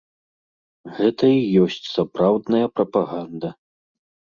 Гэта і ёсць сапраўдная прапаганда.